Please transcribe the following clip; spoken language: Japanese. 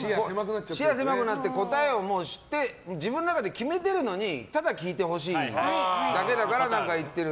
視野が狭くなって答えを自分の中で決めてるのにただ聞いてほしいだけだから何か言ってる。